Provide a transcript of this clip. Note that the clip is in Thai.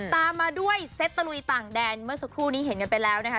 ตามมาด้วยเซ็ตตะลุยต่างแดนเมื่อสักครู่นี้เห็นกันไปแล้วนะคะ